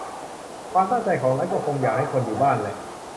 ความตั้งใจของรัฐก็คงอยากจะให้คนอยู่บ้านแหละ